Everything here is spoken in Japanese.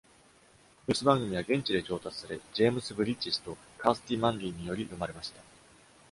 ニュース番組は現地で調達され、ジェームス・ブリッジスとカースティ・マンリーにより読まれました。